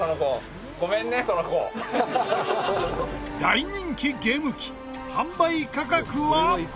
大人気ゲーム機販売価格は。